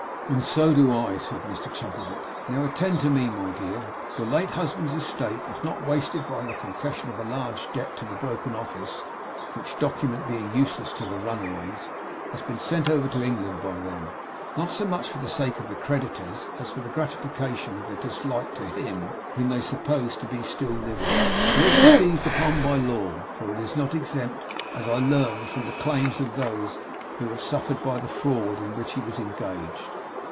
'And so do I!' said Mr Chuzzlewit. 'Now, attend to me, my dear. Your late husband's estate, if not wasted by the confession of a large debt to the broken office (which document, being useless to the runaways, has been sent over to England by them; not so much for the sake of the creditors as for the gratification of their dislike to him, whom they suppose to be still living), will be seized upon by law; for it is not exempt, as I learn, from the claims of those who have suffered by the fraud in which he was engaged.